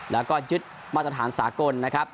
แล้วก็ยึดมาตรฐานสากลนะครับ